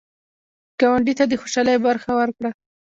ګاونډي ته د خوشحالۍ برخه ورکړه